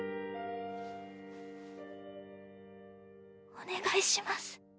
お願いします。